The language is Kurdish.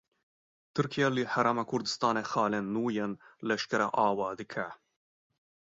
Tirkiye li Herêma Kurdistanê xalên nû yên leşkerê ava dike.